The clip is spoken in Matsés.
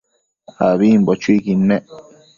ambimbo chuiquid nec